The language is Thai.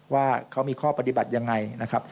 ว่าเขามีข้อปฏิบัติยังไงนะครับ